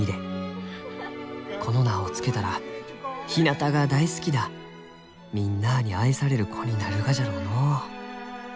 この名を付けたらひなたが大好きなみんなあに愛される子になるがじゃろうのう」。